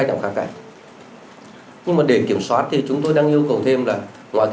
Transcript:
tuy nhiên triển khai thì nó rất là vững mắt